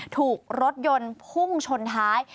ถูกรถยนต์พุ่งชนท้าย